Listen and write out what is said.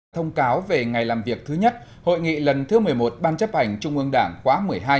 thông cáo về ngày làm việc thứ nhất hội nghị lần thứ một mươi một ban chấp hành trung ương đảng khóa một mươi hai